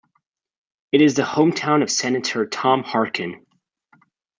It is the hometown of Senator Tom Harkin.